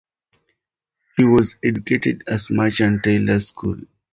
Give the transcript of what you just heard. He was educated at Merchant Taylors' School.